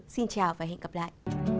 xin chào và hẹn gặp lại